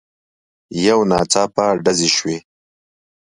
يو ناڅاپه ډزې شوې.